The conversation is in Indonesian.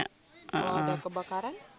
kalau ada kebakaran